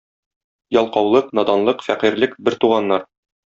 Ялкаулык, наданлык, фәкыйрьлек — бер туганнар.